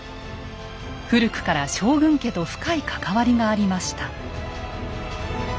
古くから将軍家と深い関わりがありました。